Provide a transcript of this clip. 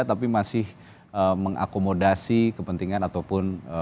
tapi masih mengakomodasi kepentingan ataupun